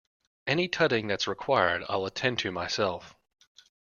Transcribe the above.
Any tutting that's required, I'll attend to myself.